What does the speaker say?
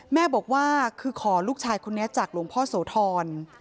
แม่บอกว่าคือขอลูกชายคนนี้จากหลวงพ่อโสธร